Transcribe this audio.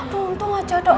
tuntung aja dong